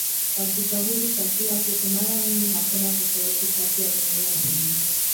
Kwa Kiswahili cha kila siku mara nyingi hakuna tofauti kati ya "Dunia" na "ulimwengu".